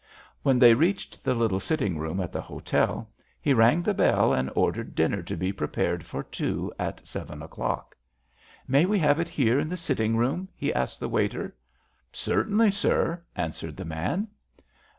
When they reached the little sitting room at the hotel, he rang the bell and ordered dinner to be prepared for two at seven o'clock. "May we have it here in the sitting room?" he asked the waiter. "Certainly, sir," answered the man.